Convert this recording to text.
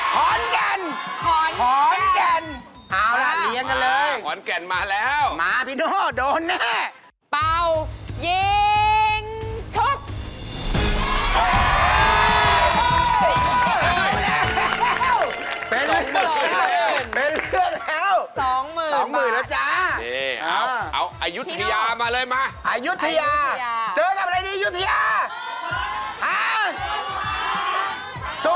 ขอนแก่มเอ้าละเลี้ยงกันเลยมาขอนแก่มมาแล้วมาพี่โน่โดนเนี่ย